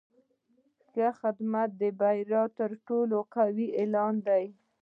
ښه خدمت د بری تر ټولو قوي اعلان دی.